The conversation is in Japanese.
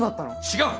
違う！